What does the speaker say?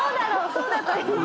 そうだといいです。